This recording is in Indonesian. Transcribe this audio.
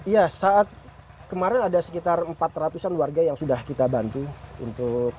ya saat kemarin ada sekitar empat ratus an warga yang sudah kita bantu untuk